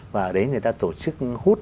và ở đấy người ta tổ chức hút